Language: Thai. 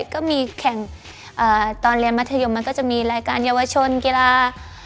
ก็มีแข่งตอนเรียนมัธยมมันก็จะมีรายการเยาวชนกีฬา